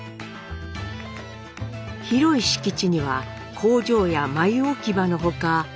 広い敷地には工場や繭置場の他。